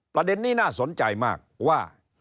ประเด็นนี้น่าสนใจมากว่า